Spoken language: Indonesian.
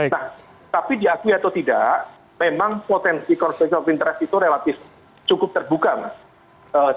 nah tapi diakui atau tidak memang potensi konflik of interest itu relatif cukup terbuka mas